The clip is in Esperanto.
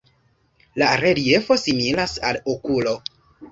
La reliefo similas al okulo.